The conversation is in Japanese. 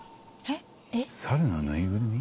「えっ？」